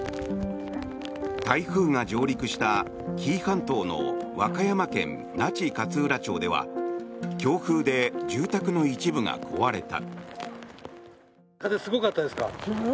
台風が上陸した、紀伊半島の和歌山県那智勝浦町では強風で住宅の一部が壊れた。